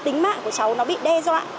tính mạng của cháu nó bị đe dọa